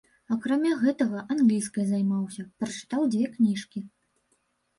Акрамя гэтага англійскай займаўся, прачытаў дзве кніжкі.